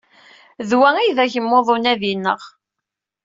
D wa ay d agmuḍ n unadi-nneɣ.